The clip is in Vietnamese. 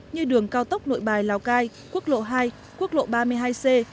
như đường cao tốc nội bài lào cai quốc lộ hai quốc lộ ba mươi hai c